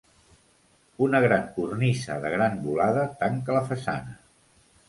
Una gran cornisa de gran volada tanca la façana.